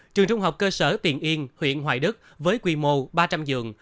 trường trung học cơ sở tiền yên huyện hoài đức với quy mô ba trăm linh giường